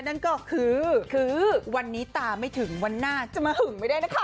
นั่นก็คือคือวันนี้ตาไม่ถึงวันหน้าจะมาหึงไม่ได้นะคะ